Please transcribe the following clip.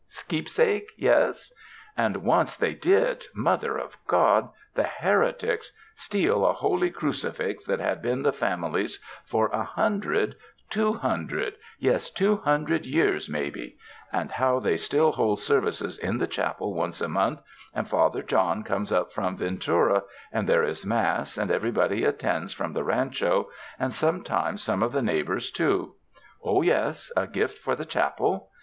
— keepsake, yes; and once they did — Mother of God, the here tics! — steal a holy crucifix that had been the fam ily's for a hundred — two hundred — yes, two hun dred years maybe ; and how they still hold services in the chapel once a month, and Father John comes up from Ventura, and there is mass, and everybody attends from the rancho, and sometimes some of the neighbors, too. yes, a gift for the chapel?